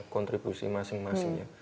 kontribusi masing masing ya